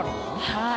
はい。